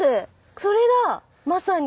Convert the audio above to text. それだまさに。